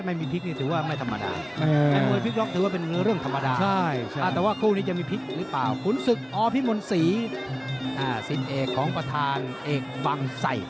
มาถ่ายจากฝนศึกอพิมนศรีสิ่นเอกของประธานเอกบังไส